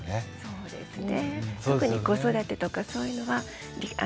そうですね